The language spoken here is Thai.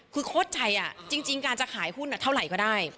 คือโคตรใจจริงการจะขายหุ้นเท่าไหร่ก็ได้